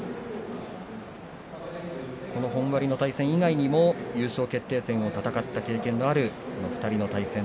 この本割の対戦以外にも優勝決定戦を戦った経験がある２人の対戦。